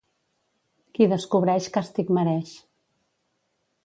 Qui descobreix càstig mereix.